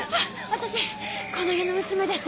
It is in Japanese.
私この家の娘です。